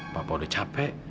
papa udah capek